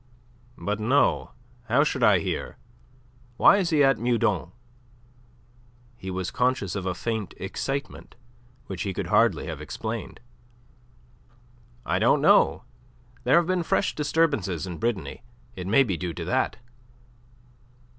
"But no. How should I hear? Why is he at Meudon?" He was conscious of a faint excitement, which he could hardly have explained. "I don't know. There have been fresh disturbances in Brittany. It may be due to that."